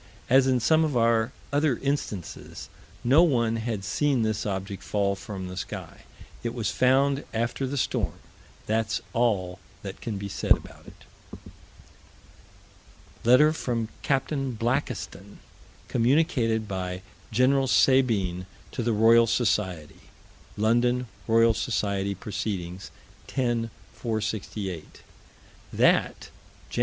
As in some of our other instances, no one had seen this object fall from the sky. It was found after the storm: that's all that can be said about it. Letter from Capt. Blakiston, communicated by Gen. Sabine, to the Royal Society (London Roy. Soc. Proc., 10 468): That, Jan.